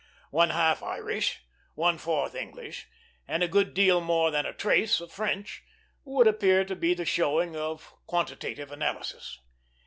One half Irish, one fourth English, and a good deal more than "a trace" of French, would appear to be the showing of a quantitative analysis.